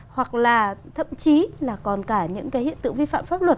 hoặc là thậm chí là còn cả những cái hiện tượng vi phạm pháp luật